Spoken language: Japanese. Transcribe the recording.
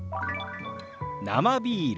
「生ビール」。